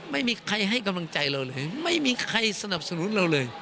ไม่มีใครให้กำลังใจเราเลยไม่มีใครสนับสนุนเราเลย